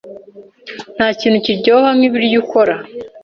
Ntakintu kiryoha nkibiryo ukora.